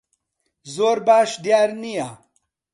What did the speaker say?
زۆر باش دیار نییە.